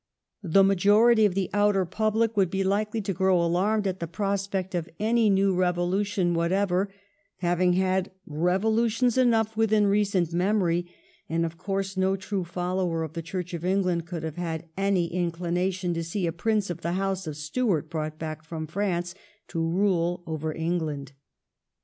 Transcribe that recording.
The majority of the outer public would be likely to grow alarmed at the prospect of any new revolution whatever, having had revolutions enough within recent memory, and of course no true follower of the Church of England could have had any inclination to see a Prince of the House of Stuart brought back from France to rule over England.